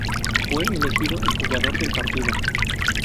Fue elegido el jugador del partido.